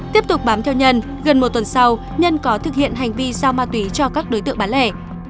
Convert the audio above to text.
tiếp tục bám theo nhân gần một tuần sau nhân có thực hiện hành vi sao ma túy cho các đối tượng bán lẻ